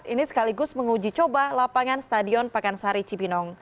ini sekaligus menguji coba lapangan stadion pekan sari cipinong